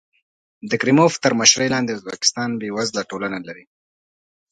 د کریموف تر مشرۍ لاندې ازبکستان بېوزله ټولنه لري.